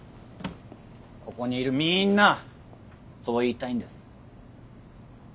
ここにいるみんなそう言いたいんです。